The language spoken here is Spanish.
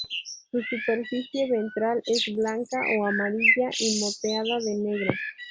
Su superficie ventral es blanca o amarilla y moteada de negro.